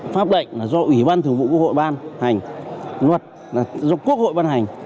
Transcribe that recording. pháp lệnh là do ủy ban thường vụ quốc hội ban hành luật là do quốc hội ban hành